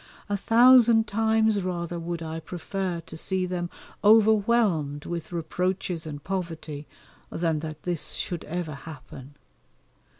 A thousand times rather would I prefer to see them overwhelmed with reproaches and poverty than that this should ever happen.